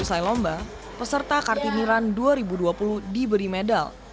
usai lomba peserta kartiniran dua ribu dua puluh diberikan